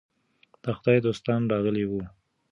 د خدای دوستان راغلي وو.